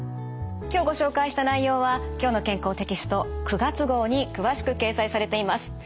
今日ご紹介した内容は「きょうの健康」テキスト９月号に詳しく掲載されています。